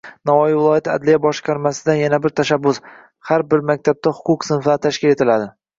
Navoiy viloyati adliya boshqarmasidan yana bir tashabbus: har bir maktabda huquq sinflari tashkil etiladi